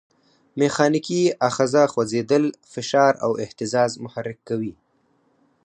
میخانیکي آخذه خوځېدل، فشار او اهتزاز محرک کوي.